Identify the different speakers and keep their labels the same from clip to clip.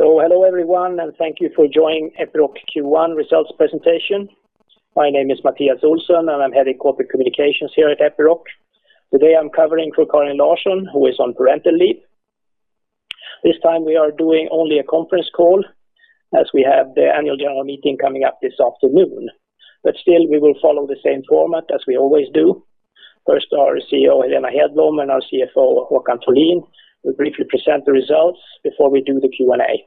Speaker 1: Hello everyone, and thank you for joining Epiroc Q1 results presentation. My name is Mattias Olsson, and I'm head of corporate communications here at Epiroc. Today, I'm covering for Karin Larsson, who is on parental leave. This time we are doing only a conference call as we have the annual general meeting coming up this afternoon. Still we will follow the same format as we always do. First, our CEO, Helena Hedblom, and our CFO, Håkan Folin, will briefly present the results before we do the Q&A.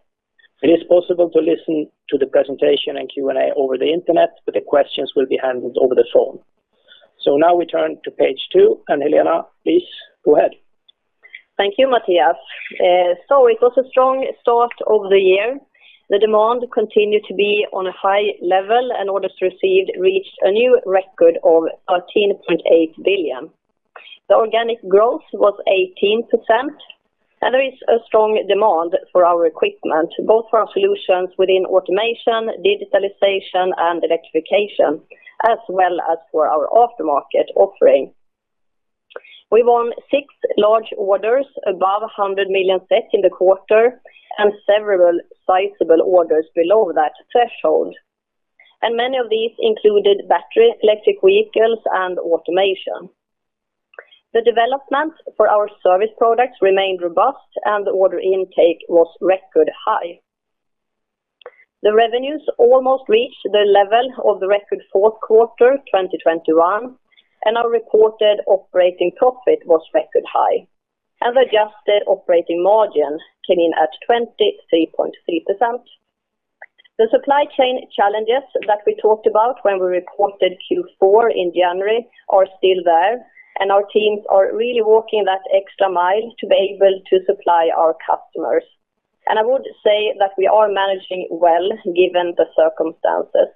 Speaker 1: It is possible to listen to the presentation and Q&A over the Internet, but the questions will be handled over the phone. Now we turn to page two, and Helena, please go ahead.
Speaker 2: Thank you, Mattias. It was a strong start of the year. The demand continued to be on a high level, and orders received reached a new record of 13.8 billion. The organic growth was 18%, and there is a strong demand for our equipment, both for our solutions within automation, digitalization, and electrification, as well as for our aftermarket offering. We won six large orders above 100 million in the quarter and several sizable orders below that threshold, and many of these included battery electric vehicles and automation. The development for our service products remained robust, and the order intake was record high. The revenues almost reached the level of the record fourth quarter 2021, and our reported operating profit was record high, and the adjusted operating margin came in at 23.3%. The supply chain challenges that we talked about when we reported Q4 in January are still there, and our teams are really walking that extra mile to be able to supply our customers. I would say that we are managing well given the circumstances.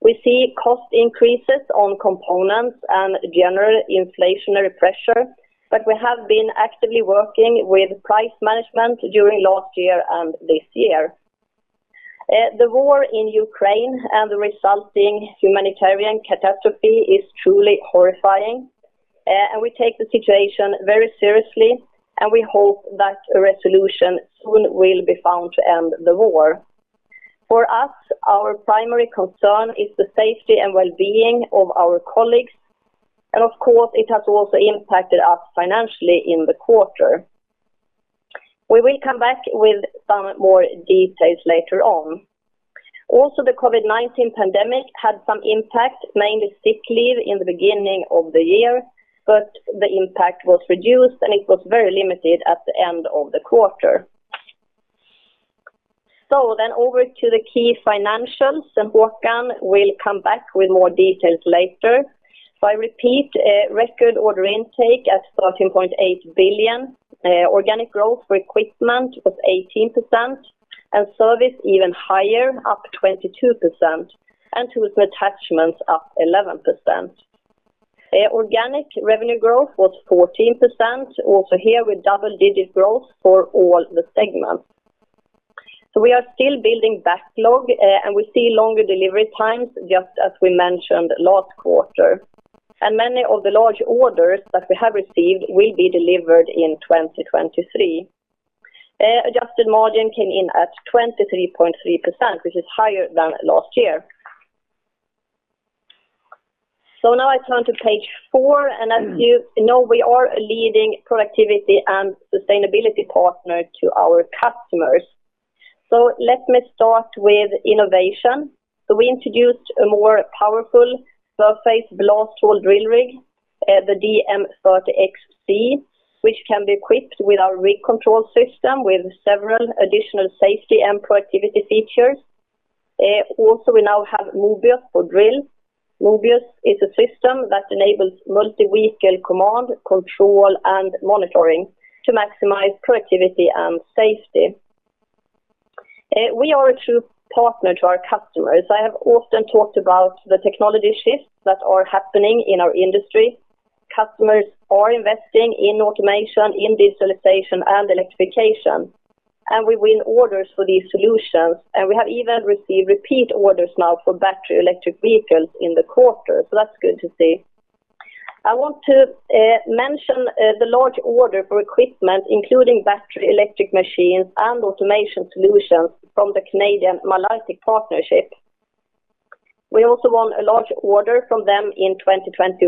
Speaker 2: We see cost increases on components and general inflationary pressure, but we have been actively working with price management during last year and this year. The war in Ukraine and the resulting humanitarian catastrophe is truly horrifying, and we take the situation very seriously, and we hope that a resolution soon will be found to end the war. For us, our primary concern is the safety and well-being of our colleagues, and of course, it has also impacted us financially in the quarter. We will come back with some more details later on. The COVID-19 pandemic had some impact, mainly sick leave in the beginning of the year, but the impact was reduced, and it was very limited at the end of the quarter. Over to the key financials, and Håkan will come back with more details later. Record order intake at 13.8 billion. Organic growth for equipment was 18%, and service even higher, up 22%, and tools and attachments up 11%. Organic revenue growth was 14%, also here with double-digit growth for all the segments. We are still building backlog, and we see longer delivery times, just as we mentioned last quarter. Many of the large orders that we have received will be delivered in 2023. Adjusted margin came in at 23.3%, which is higher than last year. Now I turn to page four, and as you know, we are a leading productivity and sustainability partner to our customers. Let me start with innovation. We introduced a more powerful surface blasthole drill rig, the DM30 XC, which can be equipped with our Rig Control System with several additional safety and productivity features. Also, we now have Mobius for Drills. Mobius is a system that enables multi-vehicle command, control, and monitoring to maximize productivity and safety. We are a true partner to our customers. I have often talked about the technology shifts that are happening in our industry. Customers are investing in automation, in digitalization and electrification, and we win orders for these solutions. We have even received repeat orders now for battery electric vehicles in the quarter. That's good to see. I want to mention the large order for equipment, including battery electric machines and automation solutions from the Canadian Malartic Partnership. We also won a large order from them in 2021,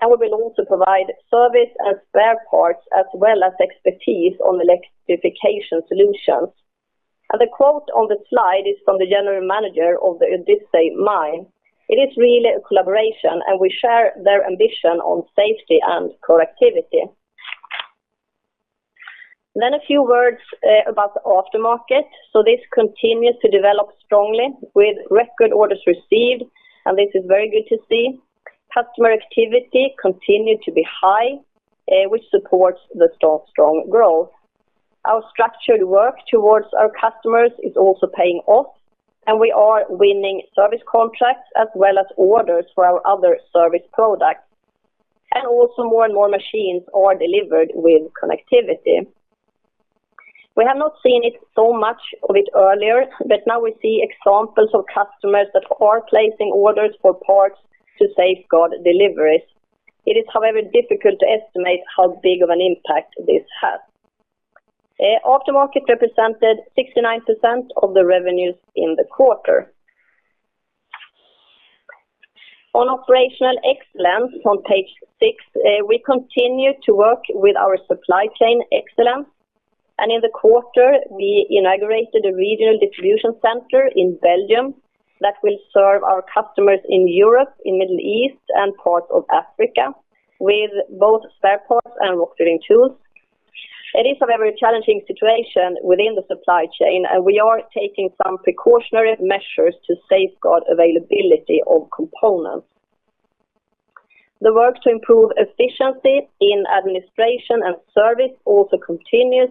Speaker 2: and we will also provide service and spare parts as well as expertise on electrification solutions. The quote on the slide is from the general manager of the Odyssey Mine. It is really a collaboration, and we share their ambition on safety and productivity. A few words about the aftermarket. This continues to develop strongly with record orders received, and this is very good to see. Customer activity continued to be high, which supports the strong growth. Our structured work towards our customers is also paying off, and we are winning service contracts as well as orders for our other service products. Also more and more machines are delivered with connectivity. We have not seen it so much of it earlier, but now we see examples of customers that are placing orders for parts to safeguard deliveries. It is, however, difficult to estimate how big of an impact this has. Aftermarket represented 69% of the revenues in the quarter. On operational excellence on page six, we continue to work with our supply chain excellence. In the quarter, we inaugurated a regional distribution center in Belgium that will serve our customers in Europe, in the Middle East, and parts of Africa with both spare parts and rock drilling tools. It is a very challenging situation within the supply chain, and we are taking some precautionary measures to safeguard availability of components. The work to improve efficiency in administration and service also continues,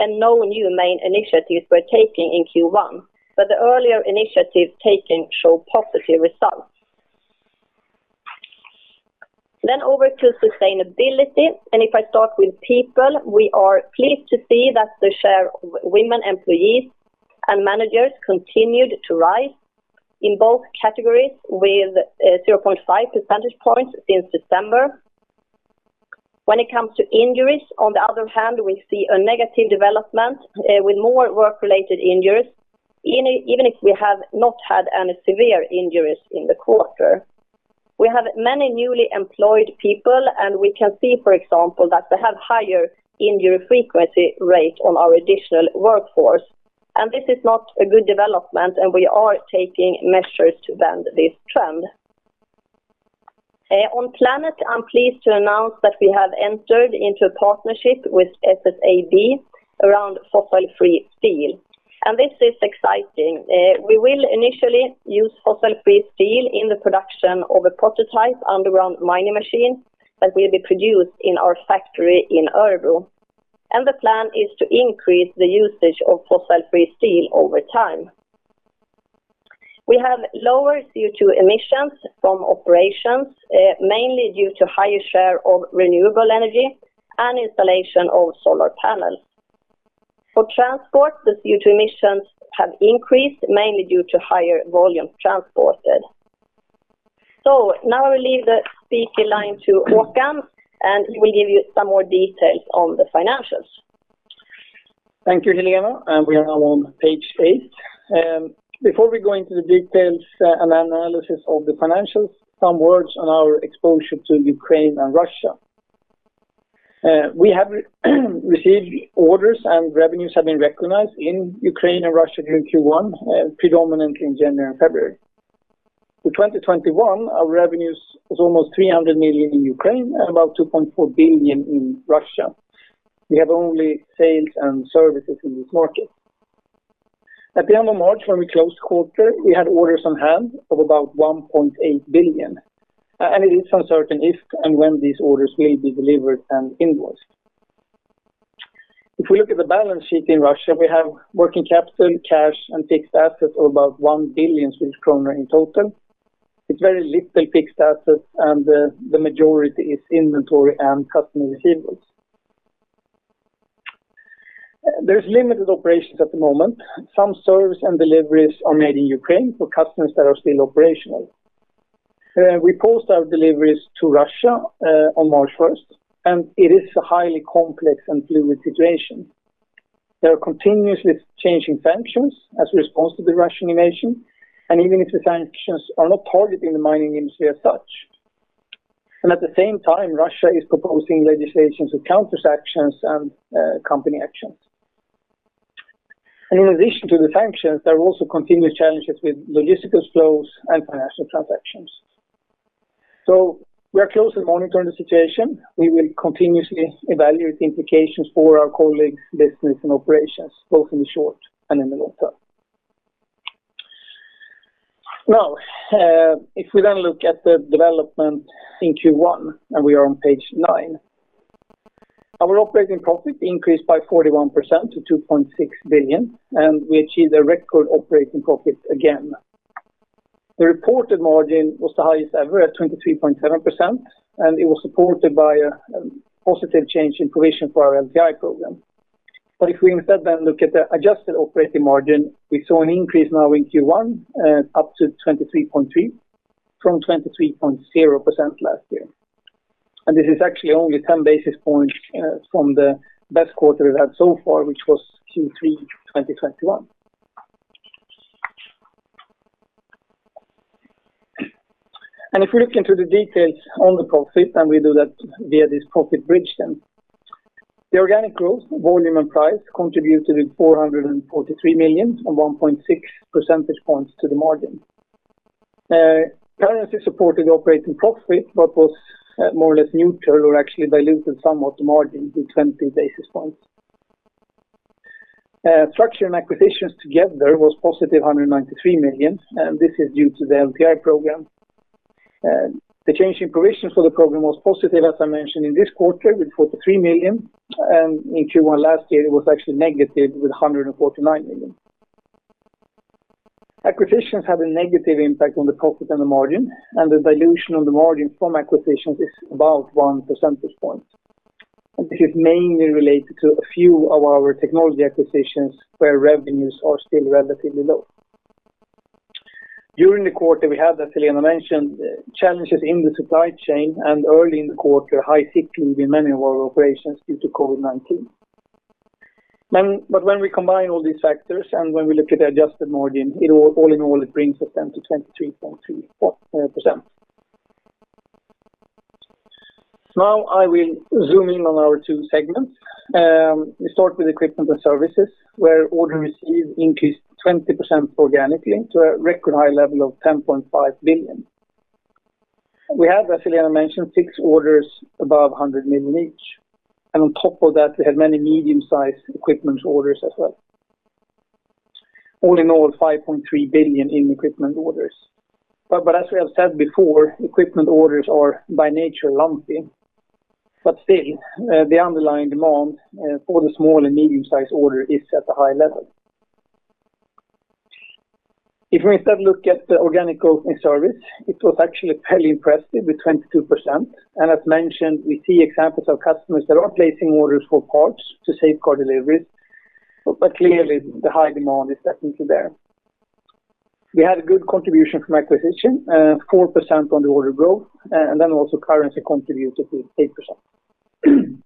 Speaker 2: and no new main initiatives were taken in Q1, but the earlier initiatives taken show positive results. Over to sustainability, and if I start with people, we are pleased to see that the share of women employees and managers continued to rise in both categories with 0.5 percentage points since December. When it comes to injuries, on the other hand, we see a negative development with more work-related injuries, even if we have not had any severe injuries in the quarter. We have many newly employed people, and we can see, for example, that they have higher injury frequency rate on our additional workforce. This is not a good development, and we are taking measures to bend this trend. I'm pleased to announce that we have entered into a partnership with SSAB around fossil-free steel, and this is exciting. We will initially use fossil-free steel in the production of a prototype underground mining machine that will be produced in our factory in Örebro. The plan is to increase the usage of fossil-free steel over time. We have lower CO2 emissions from operations, mainly due to higher share of renewable energy and installation of solar panels. For transport, the CO2 emissions have increased mainly due to higher volume transported. Now I will leave the speaker line to Håkan, and he will give you some more details on the financials.
Speaker 3: Thank you, Helena. We are now on page eight. Before we go into the details and analysis of the financials, some words on our exposure to Ukraine and Russia. We have received orders and revenues have been recognized in Ukraine and Russia during Q1, predominantly in January and February. In 2021, our revenues was almost 300 million in Ukraine and about 2.4 billion in Russia. We have only sales and services in this market. At the end of March, when we closed quarter, we had orders on hand of about 1.8 billion, and it is uncertain if and when these orders will be delivered and invoiced. If we look at the balance sheet in Russia, we have working capital, cash, and fixed assets of about 1 billion kronor in total. It's very little fixed assets, and the majority is inventory and customer receivables. There's limited operations at the moment. Some service and deliveries are made in Ukraine for customers that are still operational. We paused our deliveries to Russia on March 1st, and it is a highly complex and fluid situation. There are continuously changing sanctions as a response to the Russian invasion, and even if the sanctions are not targeting the mining industry as such. At the same time, Russia is proposing legislation of counter actions and company actions. In addition to the sanctions, there are also continuous challenges with logistical flows and financial transactions. We are closely monitoring the situation. We will continuously evaluate the implications for our colleagues, business, and operations, both in the short and in the long term. Now, if we then look at the development in Q1, and we are on page nine. Our operating profit increased by 41% to 2.6 billion, and we achieved a record operating profit again. The reported margin was the highest ever at 23.7%, and it was supported by a positive change in provision for our LTI program. If we instead then look at the adjusted operating margin, we saw an increase now in Q1 up to 23.3% from 23.0% last year. This is actually only 10 basis points from the best quarter we've had so far, which was Q3 2021. If we look into the details on the profit, and we do that via this profit bridge then. The organic growth, volume and price, contributed 443 million and 1.6 percentage points to the margin. Currency supported operating profit, but was more or less neutral or actually diluted somewhat the margin to 20 basis points. Structure and acquisitions together was positive 193 million, and this is due to the LTI program. The change in provision for the program was positive, as I mentioned in this quarter, with 43 million, and in Q1 last year, it was actually negative with 149 million. Acquisitions have a negative impact on the profit and the margin, and the dilution of the margin from acquisitions is about 1 percentage point. This is mainly related to a few of our technology acquisitions where revenues are still relatively low. During the quarter, we had, as Helena mentioned, challenges in the supply chain, and early in the quarter, high sick leave in many of our operations due to COVID-19. But when we combine all these factors and when we look at the adjusted margin, it all in all, it brings us down to 23.34%. Now I will zoom in on our two segments. We start with equipment and services, where orders received increased 20% organically to a record high level of 10.5 billion. We have, as Helena mentioned, six orders above 100 million each, and on top of that, we had many medium-sized equipment orders as well. All in all, 5.3 billion in equipment orders. As we have said before, equipment orders are by nature lumpy, but still, the underlying demand for the small and medium-sized order is at a high level. If we instead look at the organic growth in service, it was actually fairly impressive with 22%. As mentioned, we see examples of customers that are placing orders for parts to safeguard deliveries. Clearly, the high demand is definitely there. We had a good contribution from acquisition, 4% on the order growth, and then also currency contributed to 8%.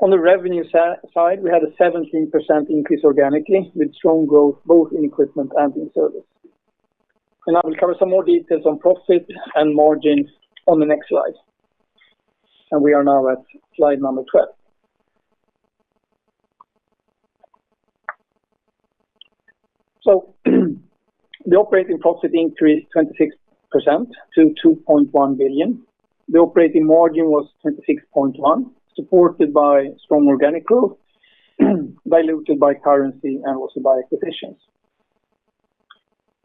Speaker 3: On the revenue side, we had a 17% increase organically with strong growth both in equipment and in service. I will cover some more details on profit and margin on the next slide. We are now at slide number 12. The operating profit increased 26% to 2.1 billion. The operating margin was 26.1%, supported by strong organic growth, diluted by currency, and also by acquisitions.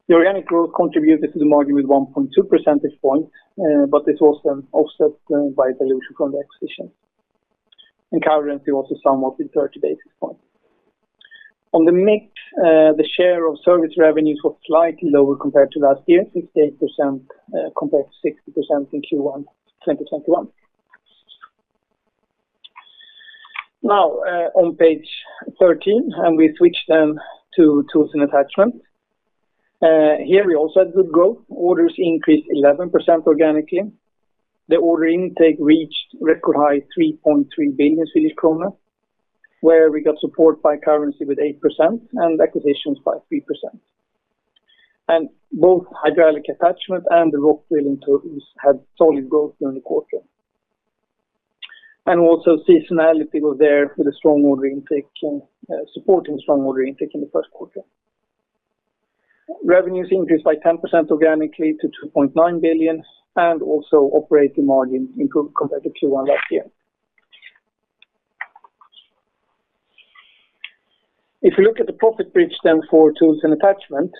Speaker 3: The organic growth contributed to the margin with 1.2 percentage points, but it was offset by dilution from the acquisitions. Currency also somewhat in 30 basis points. On the mix, the share of service revenues was slightly lower compared to last year, 68%, compared to 60% in Q1 2021. Now, on page 13, we switch then to tools and attachments. Here we also had good growth. Orders increased 11% organically. The order intake reached record high 3.3 billion Swedish kronor, where we got support by currency with 8% and acquisitions by 3%. Both hydraulic attachments and the rock drilling tools had solid growth during the quarter. Seasonality was there with a strong order intake supporting strong order intake in the first quarter. Revenues increased by 10% organically to 2.9 billion, and also operating margin improved compared to Q1 last year. If you look at the profit bridge then for tools and attachments,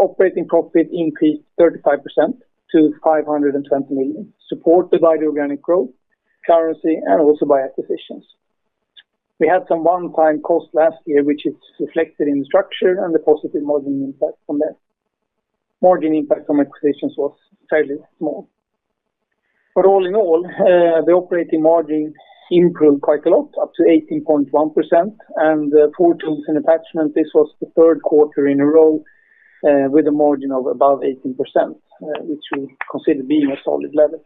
Speaker 3: operating profit increased 35% to 520 million, supported by the organic growth, currency, and also by acquisitions. We had some one-time cost last year, which is reflected in the structure and the positive margin impact from that. Margin impact from acquisitions was fairly small. All in all, the operating margin improved quite a lot, up to 18.1%. For tools and attachments, this was the third quarter in a row with a margin of above 18%, which we consider being a solid level.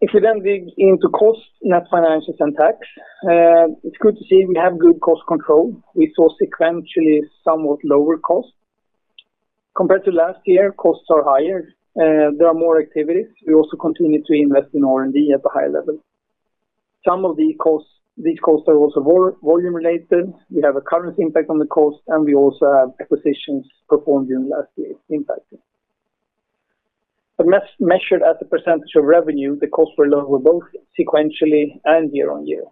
Speaker 3: If we dig into costs, net financials, and tax, it's good to see we have good cost control. We saw sequentially somewhat lower costs. Compared to last year, costs are higher. There are more activities. We also continue to invest in R&D at a higher level. Some of these costs are also volume related. We have a currency impact on the cost, and we also have acquisitions performed during last year impacting. Less measured as a percentage of revenue, the costs were lower both sequentially and year-on-year.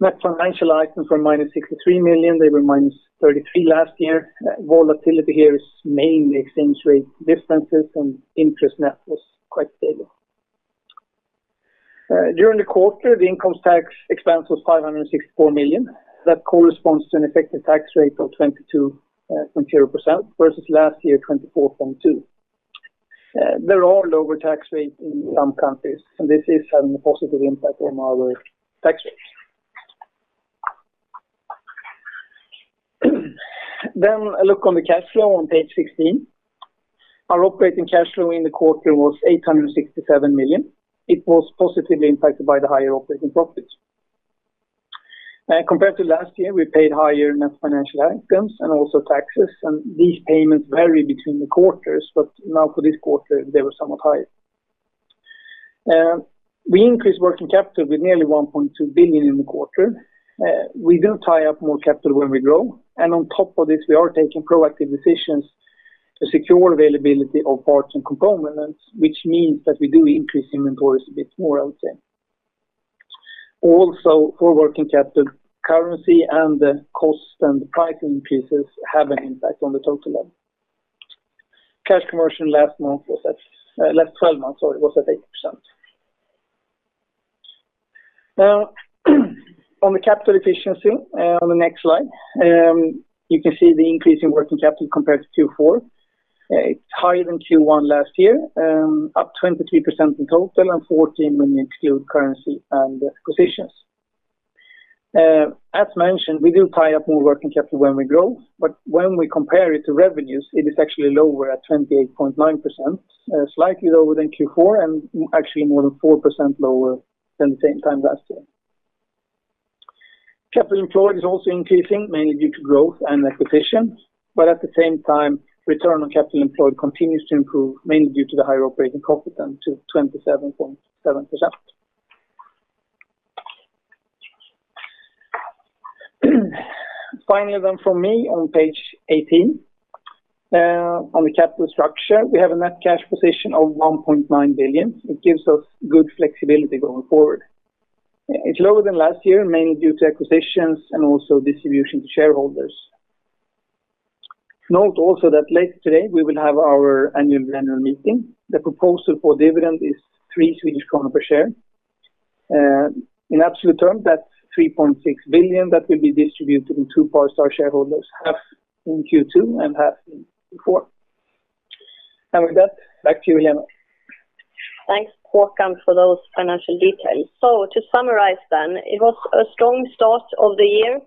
Speaker 3: Net financial items were -63 million. They were -33 million last year. Volatility here is mainly exchange rate differences, and interest net was quite stable. During the quarter, the income tax expense was 564 million. That corresponds to an effective tax rate of 22.0%, versus last year, 24.2%. There are lower tax rates in some countries, and this is having a positive impact on our tax rates. A look on the cash flow on page 16. Our operating cash flow in the quarter was 867 million. It was positively impacted by the higher operating profits. Compared to last year, we paid higher net financial items and also taxes, and these payments vary between the quarters, but now for this quarter, they were somewhat higher. We increased working capital with nearly 1.2 billion in the quarter. We do tie up more capital when we grow, and on top of this, we are taking proactive decisions to secure availability of parts and components, which means that we do increase inventories a bit more, I would say. Also, for working capital, currency and the cost and the pricing pieces have an impact on the total level. Cash conversion last 12 months was at 8%. Now, on the capital efficiency, on the next slide, you can see the increase in working capital compared to Q4. It's higher than Q1 last year, up 23% in total and 14% when you exclude currency and acquisitions. As mentioned, we do tie up more working capital when we grow, but when we compare it to revenues, it is actually lower at 28.9%, slightly lower than Q4 and actually more than 4% lower than the same time last year. Capital employed is also increasing, mainly due to growth and acquisitions. At the same time, return on capital employed continues to improve, mainly due to the higher operating profit up to 27.7%. Finally, then from me on page 18, on the capital structure, we have a net cash position of 1.9 billion. It gives us good flexibility going forward. It's lower than last year, mainly due to acquisitions and also distribution to shareholders. Note also that later today we will have our annual general meeting. The proposal for dividend is 3 Swedish kronor per share. In absolute terms, that's 3.6 billion that will be distributed to Epiroc shareholders, half in Q2 and half in Q4. With that, back to you, Helena.
Speaker 2: Thanks, Håkan, for those financial details. To summarize, it was a strong start of the year,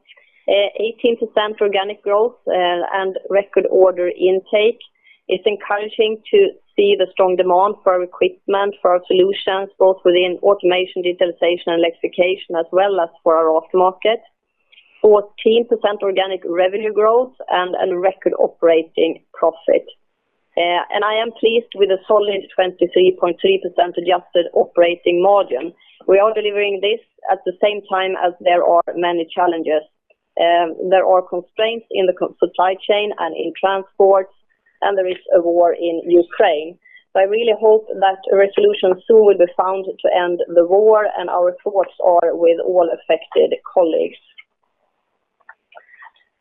Speaker 2: 18% organic growth, and record order intake. It's encouraging to see the strong demand for our equipment, for our solutions, both within automation, digitalization, and electrification, as well as for our aftermarket. 14% organic revenue growth and a record operating profit. I am pleased with a solid 23.3% adjusted operating margin. We are delivering this at the same time as there are many challenges. There are constraints in the supply chain and in transport, and there is a war in Ukraine. I really hope that a resolution soon will be found to end the war, and our thoughts are with all affected colleagues.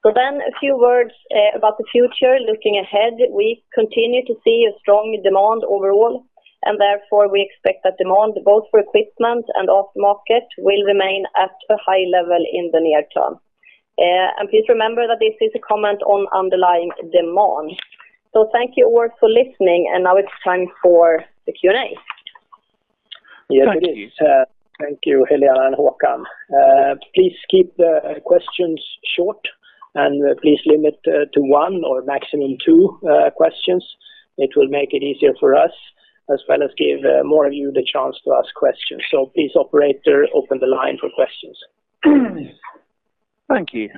Speaker 2: A few words about the future. Looking ahead, we continue to see a strong demand overall, and therefore we expect that demand, both for equipment and aftermarket, will remain at a high level in the near term. Please remember that this is a comment on underlying demand. Thank you all for listening, and now it's time for the Q&A.
Speaker 3: Thank you.
Speaker 1: Yes, it is. Thank you, Helena and Håkan. Please keep the questions short, and please limit to one or maximum two questions. It will make it easier for us, as well as give more of you the chance to ask questions. Please, operator, open the line for questions.
Speaker 4: Thank you.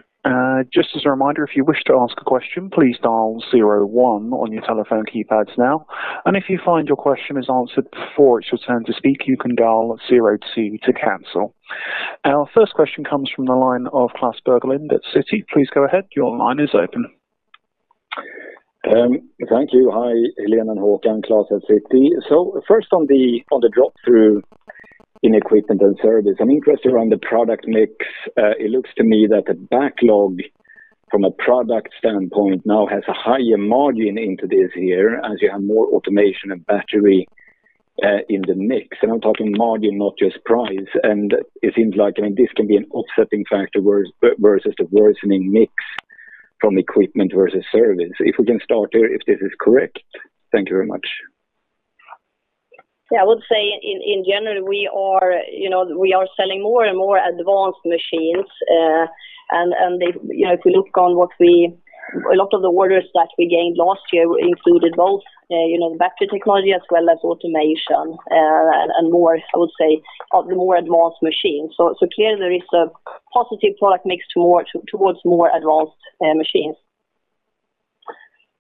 Speaker 4: Just as a reminder, if you wish to ask a question, please dial zero one on your telephone keypads now. If you find your question is answered before it's your turn to speak, you can dial zero two to cancel. Our first question comes from the line of Klas Bergelind at Citi. Please go ahead. Your line is open.
Speaker 5: Thank you. Hi, Helena and Håkan. Klas at Citi. First on the drop through in equipment and service, I'm interested around the product mix. It looks to me that the backlog from a product standpoint now has a higher margin into this year as you have more automation and battery in the mix. And I'm talking margin, not just price. And it seems like, I mean, this can be an offsetting factor versus the worsening mix from equipment versus service. If we can start there, if this is correct. Thank you very much.
Speaker 2: I would say, in general, we are, you know, selling more and more advanced machines. If we look at what we did, a lot of the orders that we gained last year included both, you know, battery technology as well as automation, and more, I would say, of the more advanced machines. Clearly there is a positive product mix towards more advanced machines.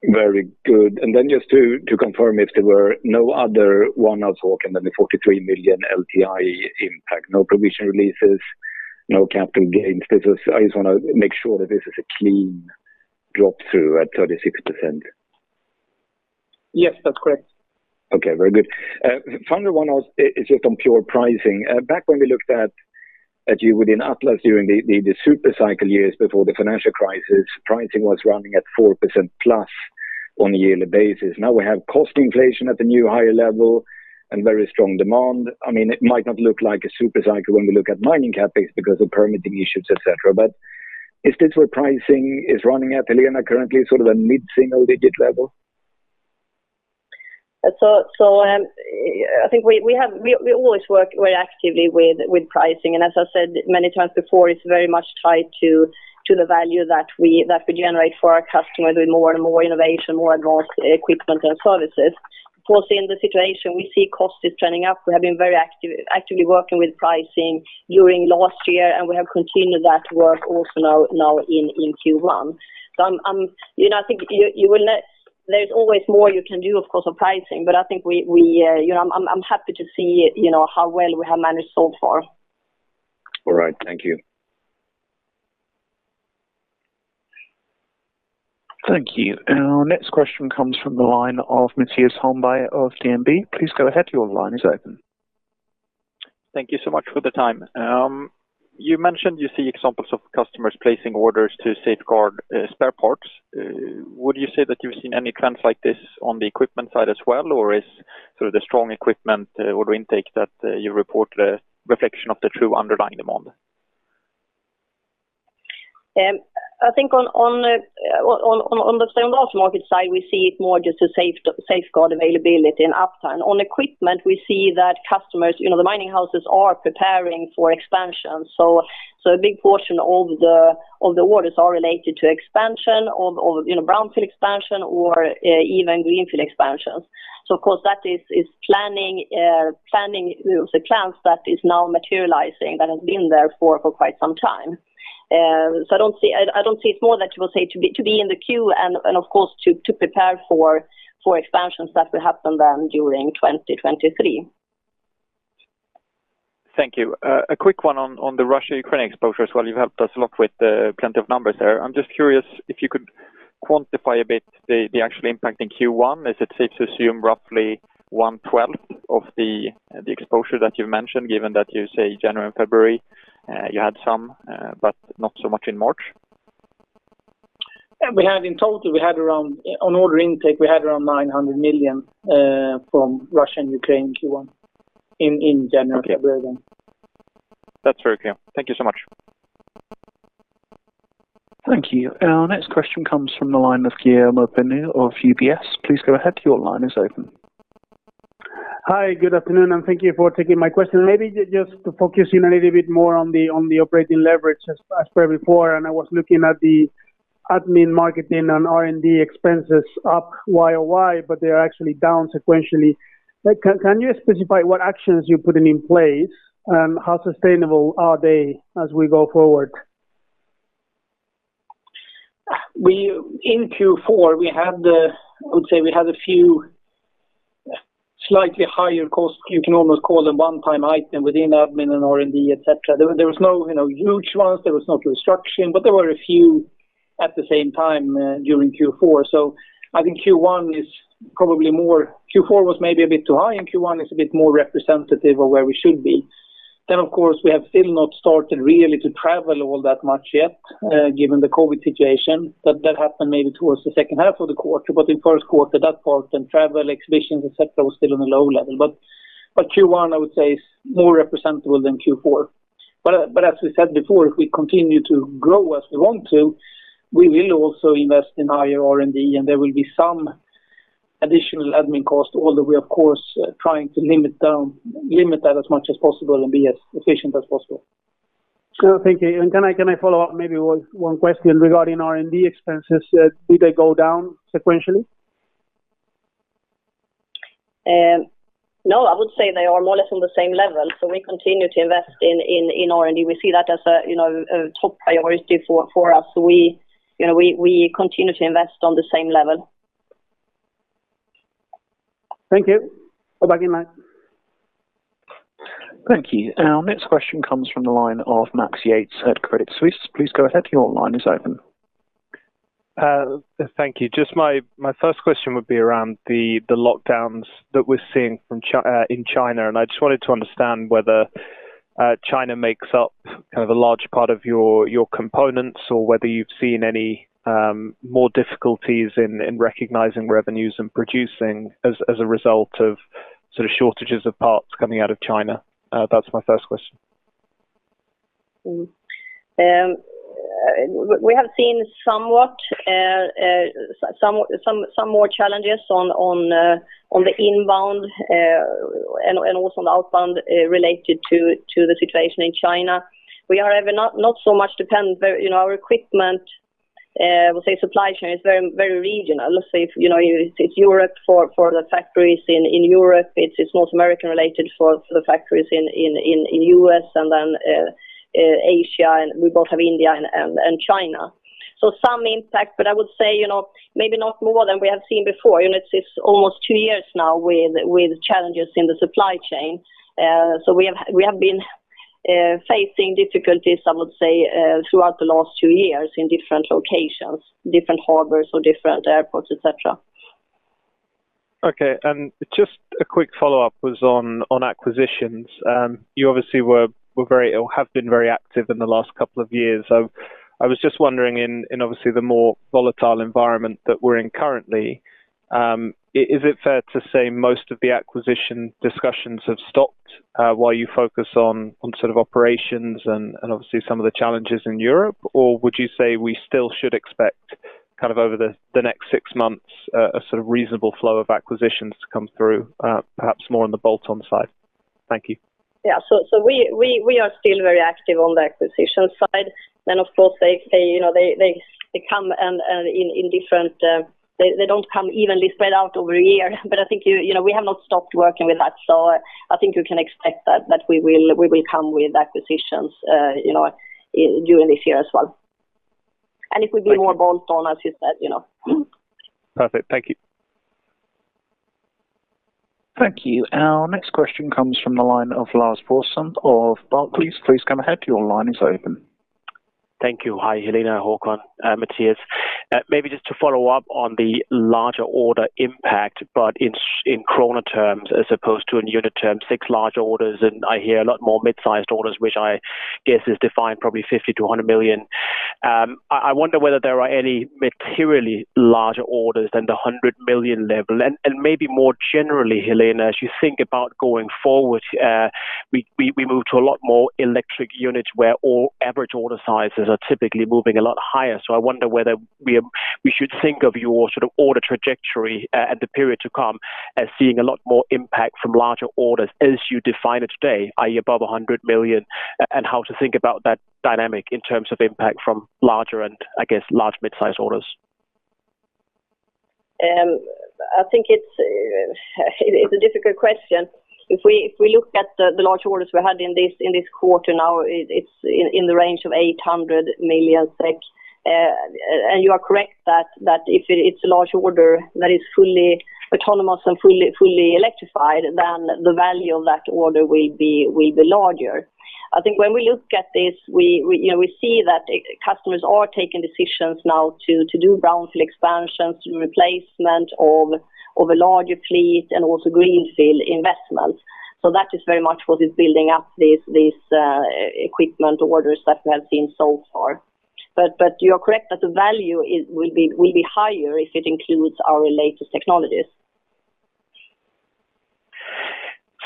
Speaker 5: Very good. Just to confirm if there were no other one-offs, Håkan, than the 43 million LTI impact. No provision releases, no capital gains. This is. I just wanna make sure that this is a clean drop through at 36%.
Speaker 3: Yes, that's correct.
Speaker 5: Okay, very good. Final one is just on pure pricing. Back when we looked at you within Atlas during the super cycle years before the financial crisis, pricing was running at 4%+ on a yearly basis. Now we have cost inflation at the new higher level and very strong demand. I mean, it might not look like a super cycle when we look at mining CapEx because of permitting issues, et cetera. Is this where pricing is running at, Helena, currently? Sort of a mid single-digit level?
Speaker 2: I think we always work very actively with pricing. As I said many times before, it's very much tied to the value that we generate for our customers with more and more innovation, more advanced equipment and services. Of course, in the situation we see costs is trending up. We have been very active, actively working with pricing during last year, and we have continued that work also now in Q1. You know, there's always more you can do, of course, on pricing, but I think, you know, I'm happy to see, you know, how well we have managed so far.
Speaker 5: All right. Thank you.
Speaker 4: Thank you. Our next question comes from the line of Mattias Holmberg of DNB. Please go ahead. Your line is open.
Speaker 6: Thank you so much for the time. You mentioned you see examples of customers placing orders to safeguard spare parts. Would you say that you've seen any trends like this on the equipment side as well, or is sort of the strong equipment order intake that you report a reflection of the true underlying demand?
Speaker 2: I think on the stainless market side, we see it more just to safeguard availability and uptime. On equipment, we see that customers you know, the mining houses are preparing for expansion. A big portion of the orders are related to expansion of you know, brownfield expansion or even greenfield expansions. Of course that is planning. You know, it's a plan that is now materializing that has been there for quite some time. I don't see it more that you will say to be in the queue and of course to prepare for expansions that will happen then during 2023.
Speaker 6: Thank you. A quick one on the Russia-Ukraine exposure as well. You've helped us a lot with plenty of numbers there. I'm just curious if you could quantify a bit the actual impact in Q1. Is it safe to assume roughly 1/12 of the exposure that you've mentioned, given that you say January and February you had some but not so much in March?
Speaker 3: Yeah. We had in total around 900 million in order intake from Russia and Ukraine in Q1, in January, February.
Speaker 6: Okay. That's very clear. Thank you so much.
Speaker 4: Thank you. Our next question comes from the line of Guillermo Peigneux Lojo of UBS. Please go ahead. Your line is open.
Speaker 7: Hi. Good afternoon, and thank you for taking my question. Maybe just to focus in a little bit more on the operating leverage as per before, and I was looking at the admin, marketing and R&D expenses up YoY, but they are actually down sequentially. Like, can you specify what actions you're putting in place, and how sustainable are they as we go forward?
Speaker 3: In Q4, we had a few slightly higher costs. You can almost call them one-time item within admin and R&D, et cetera. There was no, you know, huge ones, there was no construction, but there were a few at the same time during Q4. I think Q1 is probably more representative. Q4 was maybe a bit too high, and Q1 is a bit more representative of where we should be. Of course, we have still not started really to travel all that much yet, given the COVID situation. That happened maybe towards the second half of the quarter. In first quarter, that part and travel, exhibitions, et cetera, was still on a low level. Q1, I would say is more representative than Q4. As we said before, if we continue to grow as we want to, we will also invest in higher R&D, and there will be some additional admin costs, although we, of course, trying to limit that as much as possible and be as efficient as possible.
Speaker 7: Thank you. Can I follow up maybe one question regarding R&D expenses? Did they go down sequentially?
Speaker 2: No. I would say they are more or less on the same level, so we continue to invest in R&D. We see that as a, you know, a top priority for us. We, you know, continue to invest on the same level.
Speaker 7: Thank you. Bye-bye again, Matt.
Speaker 4: Thank you. Our next question comes from the line of Max Yates at Credit Suisse. Please go ahead. Your line is open.
Speaker 8: Thank you. Just my first question would be around the lockdowns that we're seeing in China. I just wanted to understand whether China makes up kind of a large part of your components or whether you've seen any more difficulties in recognizing revenues and producing as a result of sort of shortages of parts coming out of China. That's my first question.
Speaker 2: We have seen somewhat some more challenges on the inbound and also on the outbound related to the situation in China. We are even not so much dependent. You know, our equipment supply chain is very regional. Let's say if, you know, it's Europe for the factories in Europe, it's North American related for the factories in the U.S. and then Asia, and we both have India and China. So some impact, but I would say, you know, maybe not more than we have seen before. You know, it's almost two years now with challenges in the supply chain. We have been facing difficulties, I would say, throughout the last two years in different locations, different harbors or different airports, et cetera.
Speaker 8: Okay. Just a quick follow-up was on acquisitions. You obviously were very or have been very active in the last couple of years. I was just wondering in obviously the more volatile environment that we're in currently, is it fair to say most of the acquisition discussions have stopped, while you focus on sort of operations and obviously some of the challenges in Europe? Would you say we still should expect kind of over the next six months, a sort of reasonable flow of acquisitions to come through, perhaps more on the bolt-on side? Thank you.
Speaker 2: Yeah. We are still very active on the acquisition side. Of course, they don't come evenly spread out over a year. I think you know, we have not stopped working with that. I think you can expect that we will come with acquisitions, you know, during this year as well. It could be more bolt-on, as you said, you know.
Speaker 8: Perfect. Thank you.
Speaker 4: Thank you. Our next question comes from the line of Lars Brorson of Barclays. Please go ahead. Your line is open.
Speaker 9: Thank you. Hi, Helena, Håkan, Mattias. Maybe just to follow up on the larger order impact, but in krona terms as opposed to in unit terms, six large orders, and I hear a lot more mid-sized orders, which I guess is defined probably 50 million-100 million. I wonder whether there are any materially larger orders than the 100 million level. Maybe more generally, Helena, as you think about going forward, we move to a lot more electric units where all average order sizes are typically moving a lot higher. I wonder whether we should think of your sort of order trajectory and the period to come as seeing a lot more impact from larger orders as you define it today, i.e., above 100 million, and how to think about that dynamic in terms of impact from larger and, I guess, large mid-size orders.
Speaker 2: I think it's a difficult question. If we look at the large orders we had in this quarter now, it's in the range of 800 million SEK. And you are correct that if it's a large order that is fully autonomous and fully electrified, then the value of that order will be larger. I think when we look at this, we, you know, we see that customers are taking decisions now to do brownfield expansions, replacement of a larger fleet and also greenfield investments. That is very much what is building up these equipment orders that we have seen so far. You are correct that the value will be higher if it includes our latest technologies.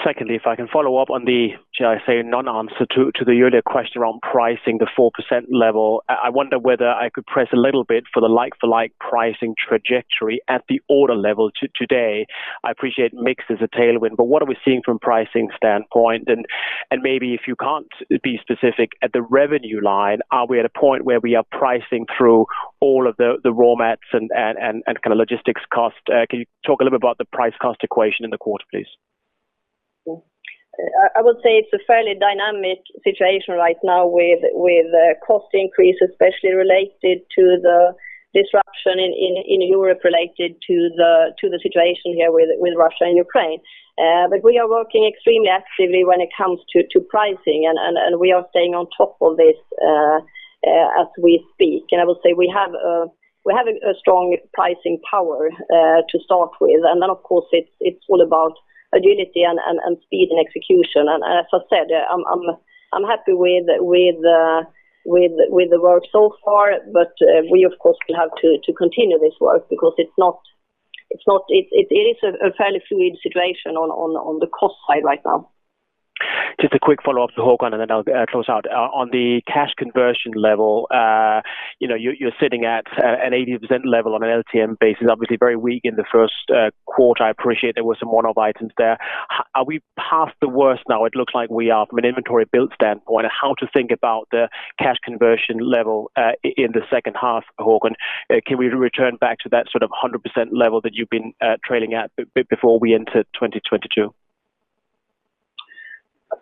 Speaker 9: Secondly, if I can follow up on the, shall I say, non-answer to the earlier question around pricing the 4% level. I wonder whether I could press a little bit for the like for like pricing trajectory at the order level to today. I appreciate mix is a tailwind, but what are we seeing from pricing standpoint? And maybe if you can't be specific at the revenue line, are we at a point where we are pricing through all of the raw mats and kinda logistics cost? Can you talk a little about the price cost equation in the quarter, please?
Speaker 2: I would say it's a fairly dynamic situation right now with cost increase, especially related to the disruption in Europe related to the situation here with Russia and Ukraine. We are working extremely actively when it comes to pricing and we are staying on top of this as we speak. I will say we have a strong pricing power to start with. Of course it's all about agility and speed and execution. As I said, I'm happy with the work so far. We of course will have to continue this work because it's not a fairly fluid situation on the cost side right now.
Speaker 9: Just a quick follow-up to Håkan, and then I'll close out. On the cash conversion level, you know, you're sitting at an 80% level on an LTM basis, obviously very weak in the first quarter. I appreciate there were some one-off items there. Are we past the worst now? It looks like we are from an inventory build standpoint. How to think about the cash conversion level in the second half, Håkan? Can we return back to that sort of 100% level that you've been targeting before we entered 2022?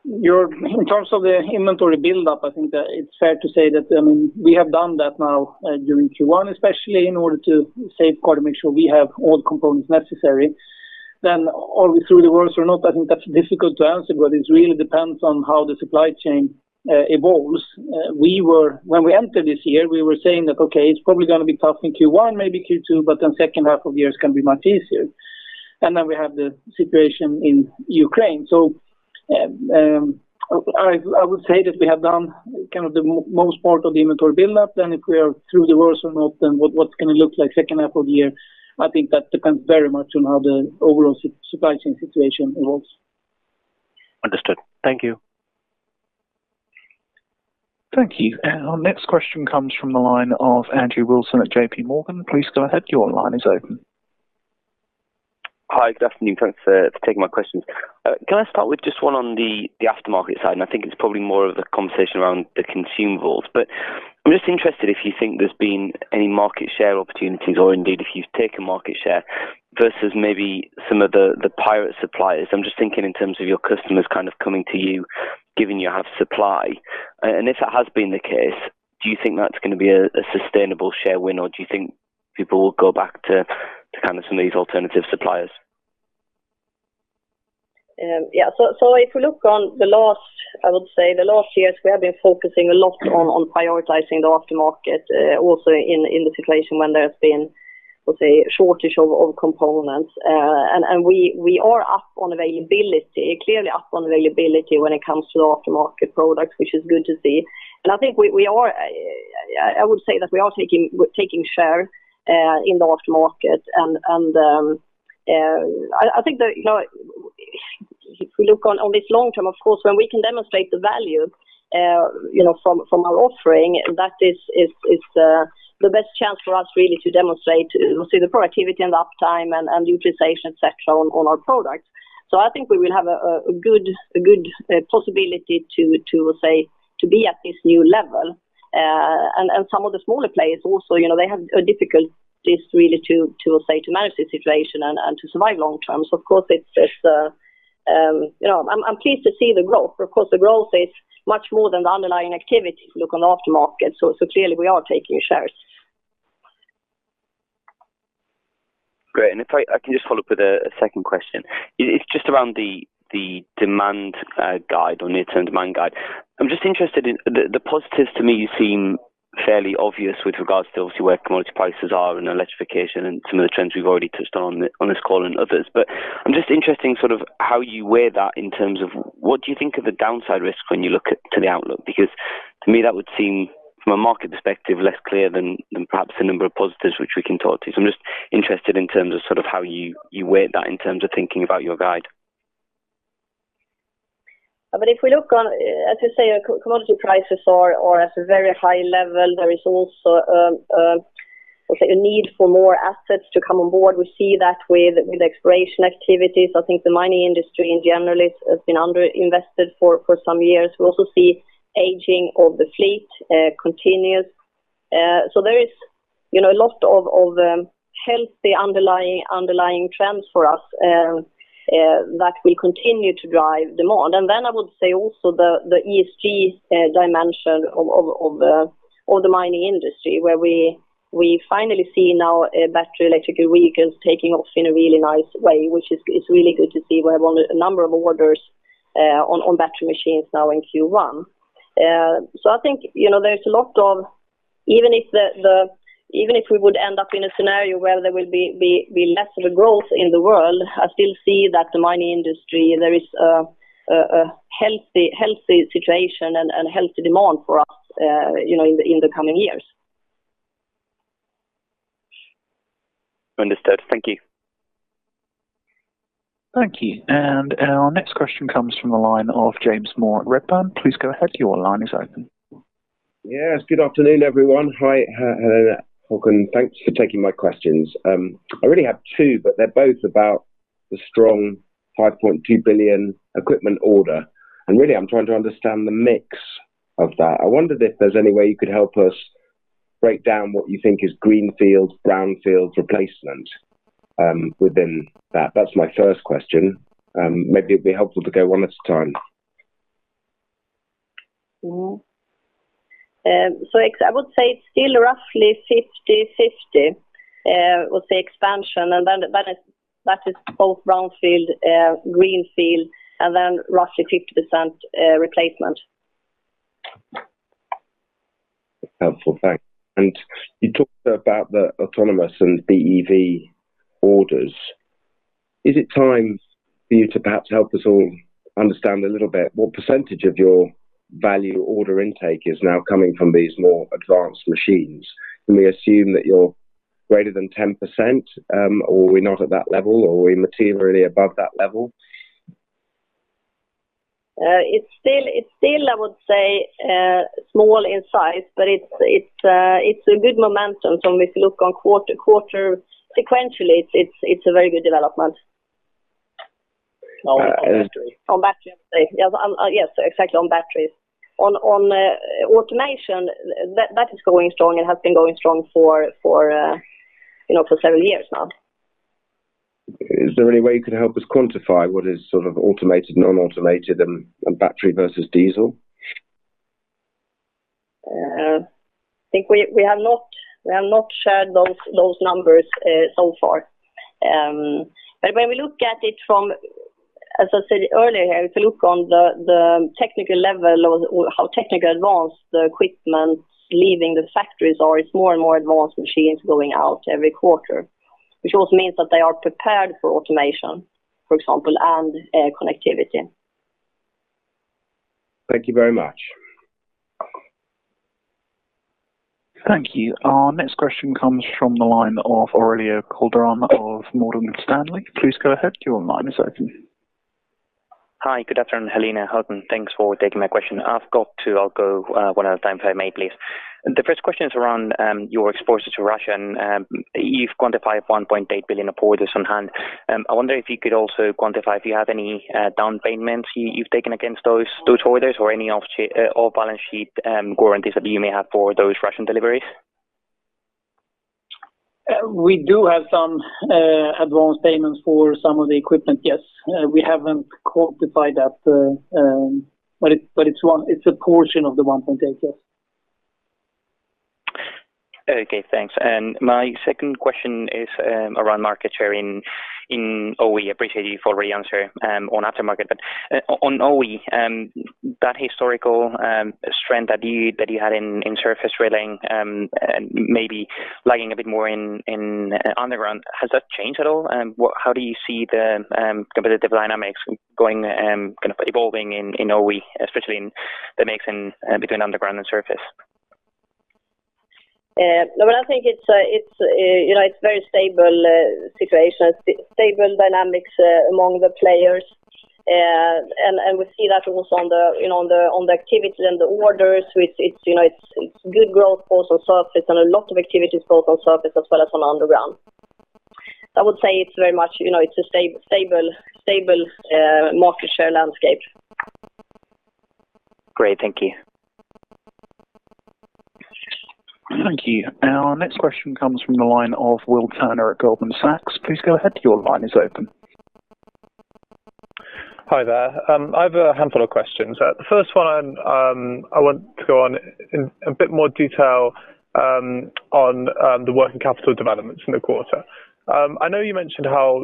Speaker 3: In terms of the inventory buildup, I think that it's fair to say that, I mean, we have done that now during Q1, especially in order to safeguard and make sure we have all components necessary. Are we through the worst or not? I think that's difficult to answer, but it really depends on how the supply chain evolves. When we entered this year, we were saying that, okay, it's probably gonna be tough in Q1, maybe Q2, but then second half of the year can be much easier. We have the situation in Ukraine. I would say that we have done kind of the most part of the inventory buildup. If we are through the worst or not, then what's gonna look like second half of the year, I think that depends very much on how the overall supply chain situation evolves.
Speaker 9: Understood. Thank you.
Speaker 4: Thank you. Our next question comes from the line of Andrew Wilson at J.P. Morgan. Please go ahead. Your line is open.
Speaker 10: Hi. Good afternoon. Thanks for taking my questions. Can I start with just one on the aftermarket side? I think it's probably more of a conversation around the consumables. I'm just interested if you think there's been any market share opportunities or indeed if you've taken market share versus maybe some of the pirate suppliers. I'm just thinking in terms of your customers kind of coming to you, given you have supply. And if that has been the case, do you think that's gonna be a sustainable share win, or do you think people will go back to kind of some of these alternative suppliers?
Speaker 2: If you look at the last years, we have been focusing a lot on prioritizing the aftermarket, and we are up on availability, clearly up on availability when it comes to the aftermarket products, which is good to see. I think we are taking share in the aftermarket. You know, if we look at the long term, of course, when we can demonstrate the value, you know, from our offering, that is the best chance for us really to demonstrate, you know, see the productivity and uptime and utilization, et cetera, on all our products. I think we will have a good possibility to be at this new level. Some of the smaller players also, you know, they have difficulties really to manage this situation and to survive long term. Of course it's, you know, I'm pleased to see the growth. Of course, the growth is much more than the underlying activity if you look at the aftermarket. Clearly we are taking shares.
Speaker 10: If I can just follow up with a second question. It's just around the demand guide or near-term demand guide. I'm just interested in the positives to me seem fairly obvious with regards to obviously where commodity prices are and electrification and some of the trends we've already touched on on this call and others. But I'm just interested sort of how you weigh that in terms of what do you think of the downside risk when you look at to the outlook. Because to me that would seem, from a market perspective, less clear than perhaps the number of positives which we can talk to. I'm just interested in terms of sort of how you weigh that in terms of thinking about your guide.
Speaker 2: If we look on, as I say, commodity prices are at a very high level. There is also, let's say a need for more assets to come on board. We see that with exploration activities. I think the mining industry in general has been under-invested for some years. We also see aging of the fleet continuous. There is you know a lot of healthy underlying trends for us that will continue to drive demand. Then I would say also the ESG dimension of the mining industry, where we finally see now battery electric vehicles taking off in a really nice way, which is really good to see. We have a number of orders on battery machines now in Q1. I think, you know, even if we would end up in a scenario where there will be lesser growth in the world, I still see that the mining industry there is a healthy situation and healthy demand for us, you know, in the coming years.
Speaker 10: Understood. Thank you.
Speaker 4: Thank you. Our next question comes from the line of James Moore at Redburn. Please go ahead. Your line is open.
Speaker 11: Yes, good afternoon, everyone. Hi, Helena, Håkan. Thanks for taking my questions. I really have two, but they're both about the strong 5.2 billion equipment order. Really I'm trying to understand the mix of that. I wondered if there's any way you could help us break down what you think is greenfield, brownfields replacement within that. That's my first question. Maybe it'd be helpful to go one at a time.
Speaker 2: I would say it's still roughly 50/50 with the expansion and that is both brownfield, greenfield and then roughly 50% replacement.
Speaker 11: Helpful. Thanks. You talked about the autonomous and BEV orders. Is it time for you to perhaps help us all understand a little bit what percentage of your value order intake is now coming from these more advanced machines? Can we assume that you're greater than 10%, or are we not at that level, or are we materially above that level?
Speaker 2: It's still, I would say, small in size, but it's a good momentum. If you look quarter-over-quarter sequentially, it's a very good development.
Speaker 11: On battery.
Speaker 2: On battery, I'd say. Yes, yes, exactly, on batteries. On automation, that is going strong and has been going strong for you know, for several years now.
Speaker 11: Is there any way you can help us quantify what is sort of automated, non-automated and battery versus diesel?
Speaker 2: I think we have not shared those numbers so far. When we look at it from, as I said earlier, if you look on the technical level or how technically advanced the equipment leaving the factories is, it's more and more advanced machines going out every quarter. Which also means that they are prepared for automation, for example, and connectivity.
Speaker 11: Thank you very much.
Speaker 4: Thank you. Our next question comes from the line of Aurelio Calderon of Morgan Stanley. Please go ahead. Your line is open.
Speaker 12: Hi. Good afternoon, Helena, Håkan. Thanks for taking my question. I've got two. I'll go one at a time if I may please. The first question is around your exposure to Russia and you've quantified 1.8 billion of orders on hand. I wonder if you could also quantify if you have any down payments you've taken against those orders or any balance sheet guarantees that you may have for those Russian deliveries.
Speaker 3: We do have some advance payments for some of the equipment, yes. We haven't quantified that, but it's a portion of the 1.8 billion, yes.
Speaker 12: Okay, thanks. My second question is around market share in OE. Appreciate you've already answered on aftermarket. On OE, that historical strength that you had in surface drilling maybe lagging a bit more in underground. Has that changed at all? How do you see the competitive dynamics going kind of evolving in OE, especially in the mix between underground and surface?
Speaker 2: No, I think it's very stable situation. Stable dynamics among the players. We see that also on the activity and the orders, which, you know, it's good growth both on surface and a lot of activities both on surface as well as underground. I would say it's very much, you know, it's a stable market share landscape.
Speaker 12: Great. Thank you.
Speaker 4: Thank you. Our next question comes from the line of Will Turner at Goldman Sachs. Please go ahead. Your line is open.
Speaker 13: Hi there. I have a handful of questions. The first one, I want to go into a bit more detail on the working capital developments in the quarter. I know you mentioned how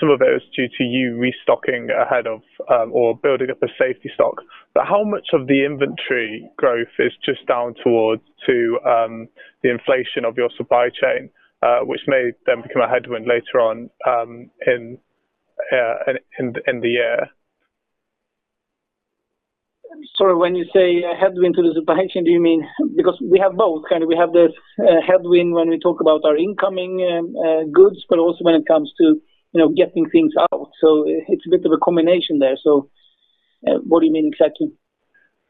Speaker 13: some of it was due to you restocking ahead of or building up a safety stock, but how much of the inventory growth is just due to the inflation of your supply chain, which may then become a headwind later on in the year?
Speaker 3: Sorry, when you say a headwind to the supply chain, do you mean? Because we have both, kind of we have the headwind when we talk about our incoming goods, but also when it comes to, you know, getting things out. What do you mean exactly?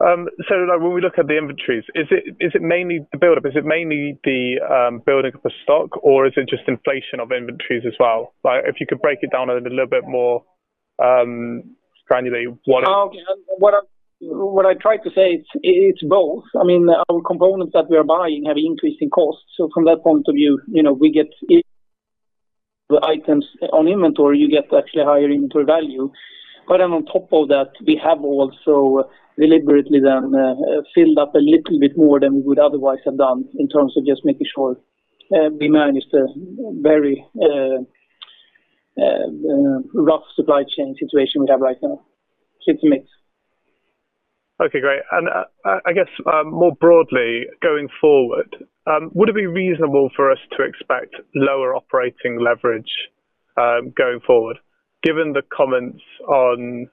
Speaker 13: Like when we look at the inventories, is it mainly the build-up? Is it mainly the building of the stock, or is it just inflation of inventories as well? Like, if you could break it down a little bit more granularly what-
Speaker 3: What I tried to say, it's both. I mean, our components that we are buying have increasing costs. From that point of view, you know, we get the items on inventory, you get actually a higher inventory value. On top of that, we have also deliberately then filled up a little bit more than we would otherwise have done in terms of just making sure we manage the very rough supply chain situation we have right now. It's a mix.
Speaker 13: Okay, great. I guess, more broadly, going forward, would it be reasonable for us to expect lower operating leverage, going forward? Given the comments on,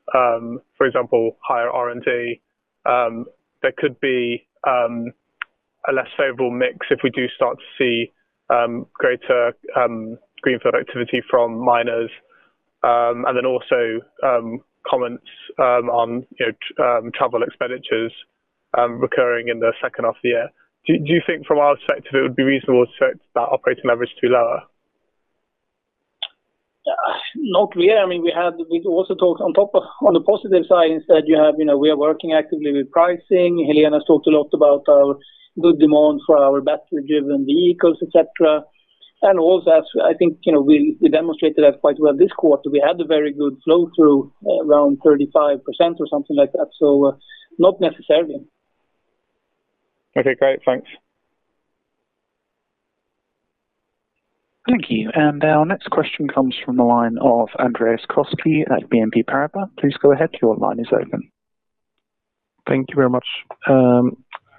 Speaker 13: for example, higher R&D, there could be a less favorable mix if we do start to see greater greenfield activity from miners, and then also comments on, you know, travel expenditures recurring in the second half of the year. Do you think from our perspective, it would be reasonable to expect that operating leverage to lower?
Speaker 3: Not really. I mean, on the positive side, instead you have, you know, we are working actively with pricing. Helena's talked a lot about our good demand for our battery-driven vehicles, et cetera. Also, I think, you know, we demonstrated that quite well this quarter. We had a very good flow through around 35% or something like that. Not necessarily.
Speaker 13: Okay, great. Thanks.
Speaker 4: Thank you. Our next question comes from the line of Andreas Koski at Exane BNP Paribas. Please go ahead, your line is open.
Speaker 14: Thank you very much.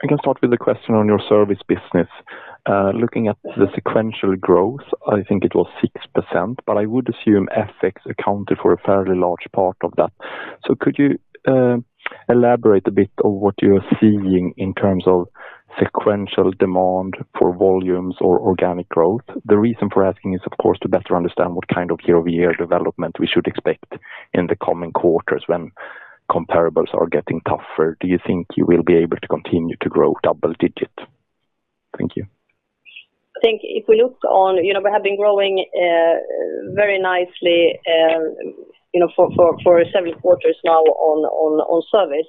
Speaker 14: I can start with a question on your service business. Looking at the sequential growth, I think it was 6%, but I would assume FX accounted for a fairly large part of that. Could you elaborate a bit on what you're seeing in terms of sequential demand for volumes or organic growth? The reason for asking is, of course, to better understand what kind of year-over-year development we should expect in the coming quarters when comparables are getting tougher. Do you think you will be able to continue to grow double digit? Thank you.
Speaker 2: I think if we look on. You know, we have been growing very nicely, you know, for seven quarters now on service.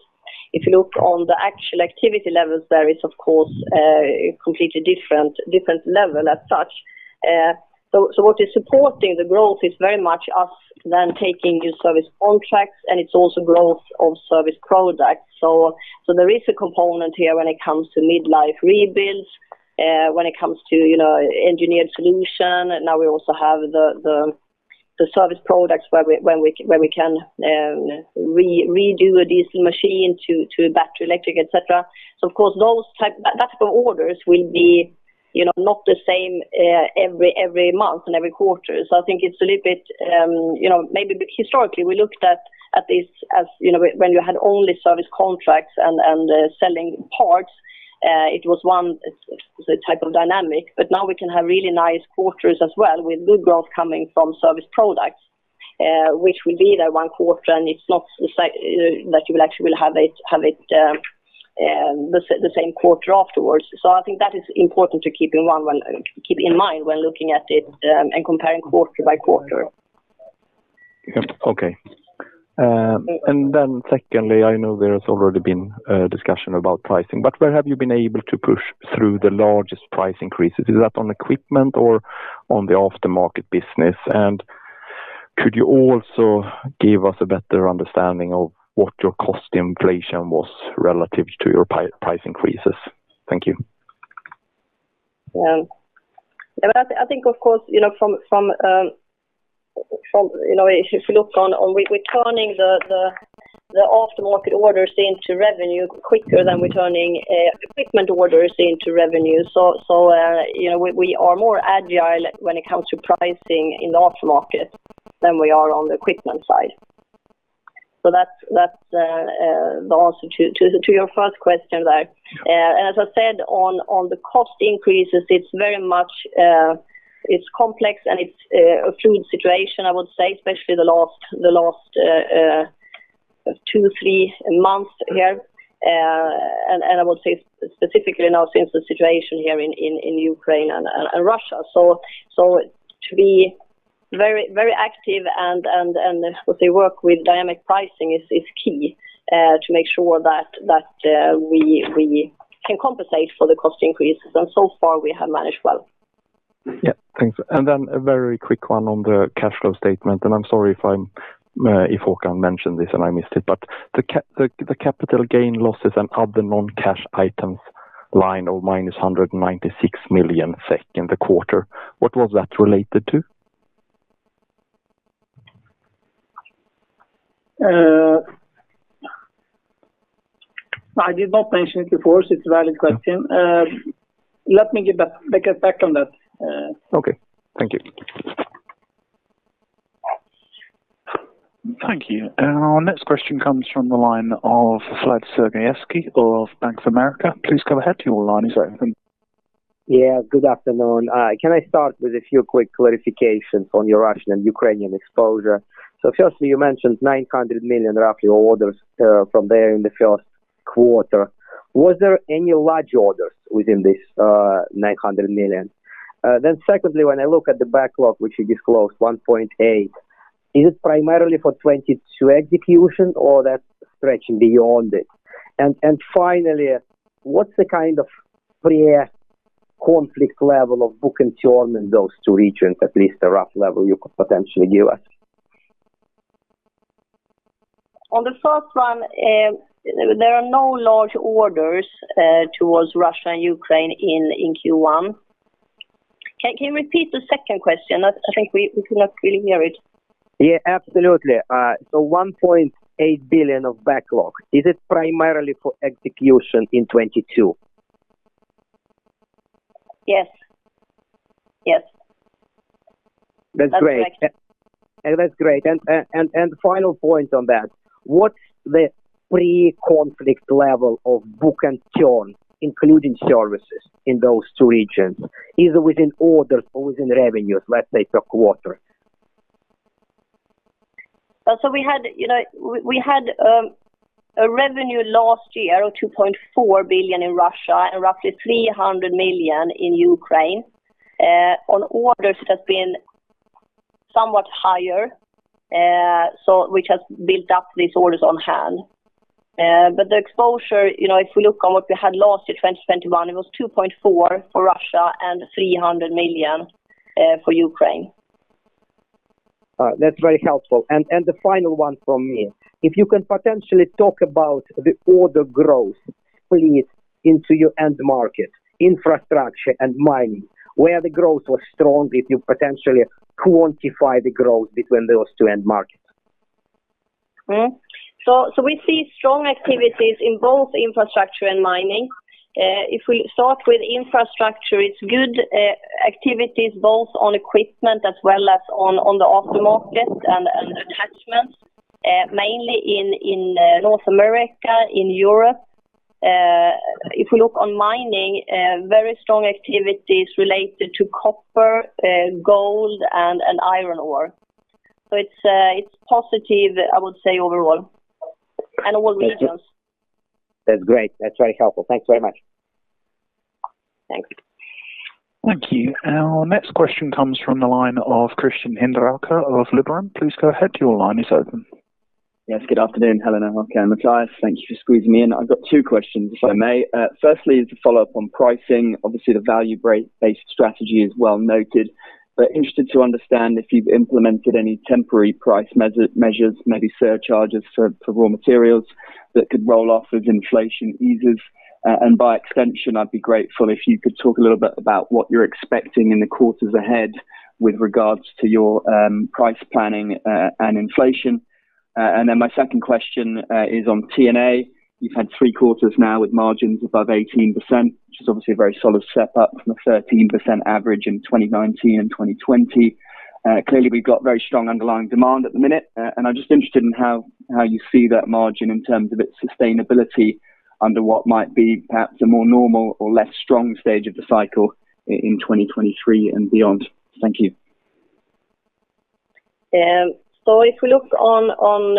Speaker 2: If you look on the actual activity levels, there is, of course, completely different level as such. What is supporting the growth is very much us then taking new service contracts, and it's also growth of service products. There is a component here when it comes to mid-life rebuilds, when it comes to, you know, engineered solution. Now we also have the service products where we when we can redo a diesel machine to battery electric, et cetera. Of course, that type of orders will be, you know, not the same every month and every quarter. I think it's a little bit, you know, maybe historically, we looked at this as, you know, when you had only service contracts and selling parts, it was one type of dynamic. Now we can have really nice quarters as well with good growth coming from service products, which will be there one quarter, and it's not the same that you will actually have it the same quarter afterwards. I think that is important to keep in mind when looking at it and comparing quarter by quarter.
Speaker 14: Okay. Secondly, I know there's already been a discussion about pricing, but where have you been able to push through the largest price increases? Is that on equipment or on the aftermarket business? Could you also give us a better understanding of what your cost inflation was relative to your price increases? Thank you.
Speaker 2: I think, of course, you know, from you know, if you look on, we're turning the aftermarket orders into revenue quicker than we're turning equipment orders into revenue. You know, we are more agile when it comes to pricing in the aftermarket than we are on the equipment side. That's the answer to your first question there.
Speaker 14: Yeah.
Speaker 2: As I said, on the cost increases, it's very much complex and it's a fluid situation, I would say, especially the last two to three months here and I would say specifically now since the situation here in Ukraine and Russia. To be very active and I would say work with dynamic pricing is key to make sure that we can compensate for the cost increases. So far, we have managed well.
Speaker 15: Yeah. Thanks. Then a very quick one on the cash flow statement, and I'm sorry if Håkan mentioned this and I missed it. The capital gain losses and other non-cash items line of -196 million SEK in the quarter, what was that related to?
Speaker 3: I did not mention it before, so it's a valid question. Let me get back on that.
Speaker 15: Okay. Thank you.
Speaker 4: Thank you. Our next question comes from the line of Vlad Sergievskiy of Bank of America. Please go ahead. Your line is open.
Speaker 16: Good afternoon. Can I start with a few quick clarifications on your Russian and Ukrainian exposure? Firstly, you mentioned roughly 900 million orders from there in the first quarter. Was there any large orders within this 900 million? Secondly, when I look at the backlog, which you disclosed 1.8 billion, is it primarily for 2022 execution or that stretching beyond it? Finally, what's the kind of pre-conflict level of bookings and churn in those two regions, at least a rough level you could potentially give us?
Speaker 2: On the first one, there are no large orders towards Russia and Ukraine in Q1. Can you repeat the second question? I think we could not really hear it.
Speaker 16: Yeah, absolutely. 1.8 billion of backlog, is it primarily for execution in 2022?
Speaker 2: Yes. Yes.
Speaker 16: That's great.
Speaker 2: That's right.
Speaker 16: That's great. Final point on that. What's the pre-conflict level of book and churn, including services in those two regions, either within orders or within revenues, let's say, per quarter?
Speaker 2: We had, you know, a revenue last year of 2.4 billion in Russia and roughly 300 million in Ukraine. Orders has been somewhat higher, which has built up these orders on hand. The exposure, you know, if we look on what we had last year, 2021, it was 2.4 billion for Russia and 300 million for Ukraine.
Speaker 16: All right. That's very helpful. The final one from me. If you can potentially talk about the order growth, please, into your end market, infrastructure and mining, where the growth was strong, if you potentially quantify the growth between those two end markets? We see strong activities in both infrastructure and mining. If we start with infrastructure, it's good activities both on equipment as well as on the aftermarket and attachments, mainly in North America, in Europe. If we look on mining, very strong activities related to copper, gold and iron ore. It's positive, I would say, overall. Will lead us. That's great. That's very helpful. Thanks very much.
Speaker 2: Thanks.
Speaker 4: Thank you. Our next question comes from the line of Christian Hinderaker of Liberum. Please go ahead. Your line is open.
Speaker 17: Yes. Good afternoon, Helena, Håkan, Mattias. Thank you for squeezing me in. I've got two questions, if I may. Firstly, is a follow-up on pricing. Obviously, the value-based strategy is well noted. Interested to understand if you've implemented any temporary price measures, maybe surcharges for raw materials that could roll off as inflation eases. And by extension, I'd be grateful if you could talk a little bit about what you're expecting in the quarters ahead with regards to your price planning and inflation. And then my second question is on T&A. You've had three quarters now with margins above 18%, which is obviously a very solid step up from a 13% average in 2019 and 2020. Clearly we've got very strong underlying demand at the minute. I'm just interested in how you see that margin in terms of its sustainability under what might be perhaps a more normal or less strong stage of the cycle in 2023 and beyond. Thank you.
Speaker 2: If we look on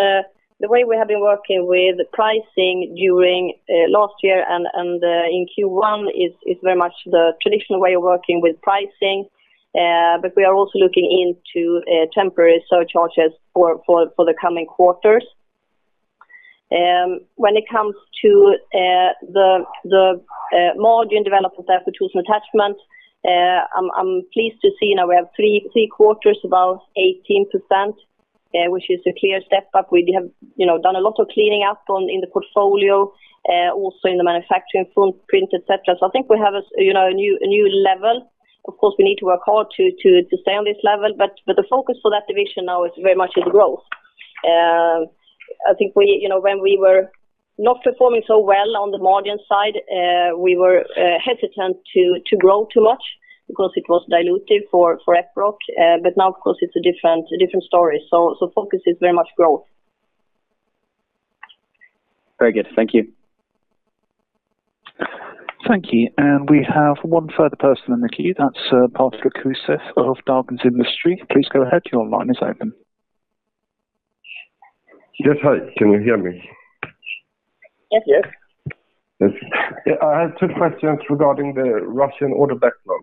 Speaker 2: the way we have been working with pricing during last year and in Q1 is very much the traditional way of working with pricing. We are also looking into temporary surcharges for the coming quarters. When it comes to the margin development there for tools and attachments, I'm pleased to see now we have three quarters above 18%, which is a clear step up. We have, you know, done a lot of cleaning up in the portfolio, also in the manufacturing footprint, et cetera. I think we have a, you know, a new level. Of course, we need to work hard to stay on this level, but the focus for that division now is very much growth. I think you know, when we were not performing so well on the margin side, we were hesitant to grow too much because it was dilutive for rock. Now, of course, it's a different story. Focus is very much growth.
Speaker 17: Very good. Thank you.
Speaker 4: Thank you. We have one further person in the queue. That's Patrick Åkesson of Dagens Industri. Please go ahead. Your line is open.
Speaker 18: Yes. Hi. Can you hear me?
Speaker 2: Yes, yes.
Speaker 18: Yes. I have two questions regarding the Russian order backlog.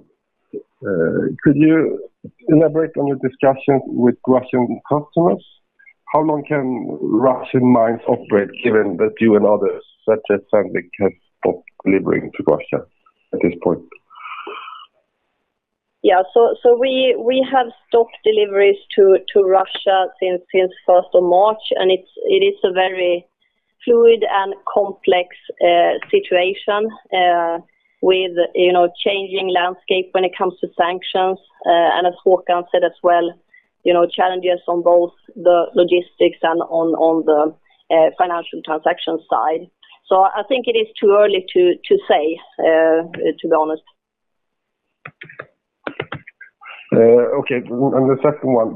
Speaker 18: Could you elaborate on your discussions with Russian customers? How long can Russian mines operate, given that you and others such as Sandvik have stopped delivering to Russia at this point?
Speaker 2: Yeah. We have stopped deliveries to Russia since 1st of March. It is a very fluid and complex situation with you know changing landscape when it comes to sanctions. As Håkan said as well, you know, challenges on both the logistics and on the financial transaction side. I think it is too early to say, to be honest.
Speaker 17: Okay. The second one,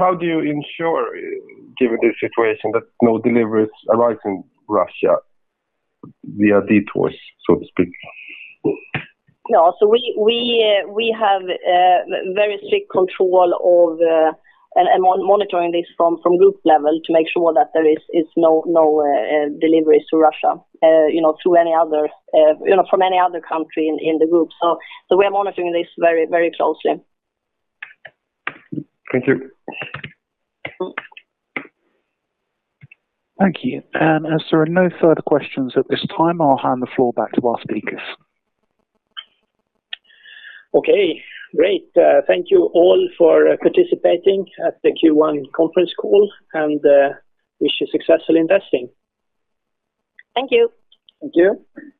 Speaker 17: how do you ensure, given this situation, that no deliveries arrive in Russia via detours, so to speak?
Speaker 2: No. We have very strict control of and monitoring this from group level to make sure that there is no deliveries to Russia, you know, through any other, you know, from any other country in the group. We are monitoring this very closely.
Speaker 17: Thank you.
Speaker 4: Thank you. As there are no further questions at this time, I'll hand the floor back to our speakers.
Speaker 3: Okay, great. Thank you all for participating at the Q1 conference call and I wish you successful investing.
Speaker 2: Thank you.
Speaker 3: Thank you.